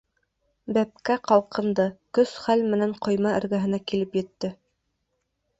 Бәпкә ҡалҡынды, көс-хәл менән ҡойма эргәһенә килеп етте.